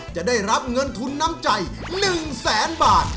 จะได้รับเงินทุนน้ำใจ๑แสนบาท